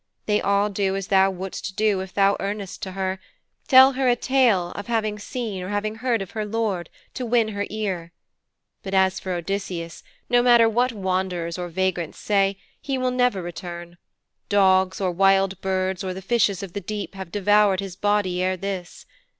They all do as thou wouldst do if thou earnest to her tell her a tale of having seen or of having heard of her lord, to win her ear. But as for Odysseus, no matter what wanderers or vagrants say, he will never return dogs, or wild birds, or the fishes of the deep have devoured his body ere this.